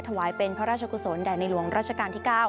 ถวายเป็นพระราชกุศลแด่ในหลวงรัชกาลที่๙